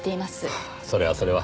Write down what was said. ああそれはそれは。